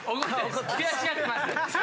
悔しがってます。